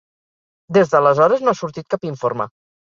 Des d'aleshores, no ha sortit cap informe.